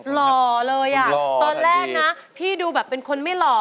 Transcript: หล่อเลยอ่ะตอนแรกนะพี่ดูแบบเป็นคนไม่หล่อ